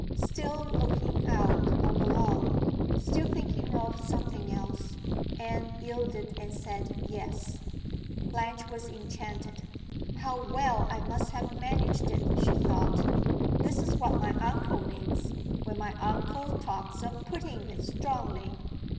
Still looking out on the lawn still thinking of something else Anne yielded, and said "Yes." Blanche was enchanted. "How well I must have managed it!" she thought. "This is what my uncle means, when my uncle talks of 'putting it strongly.